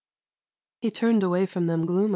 He turned away from them gloom.